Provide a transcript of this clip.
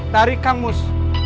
dari kang mus